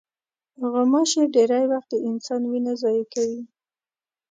غوماشې ډېری وخت د انسان وینه ضایع کوي.